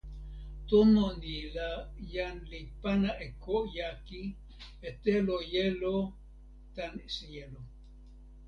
tomo ni la jan li pana e ko jaki e telo jelo tan sijelo.